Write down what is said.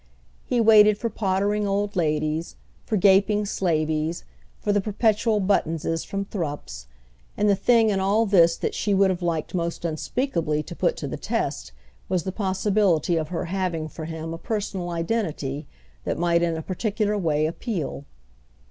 He waited for pottering old ladies, for gaping slaveys, for the perpetual Buttonses from Thrupp's; and the thing in all this that she would have liked most unspeakably to put to the test was the possibility of her having for him a personal identity that might in a particular way appeal.